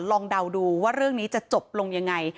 เดาดูว่าเรื่องนี้จะจบลงยังไง